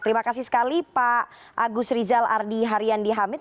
terima kasih sekali pak agus rizal ardi haryandi hamid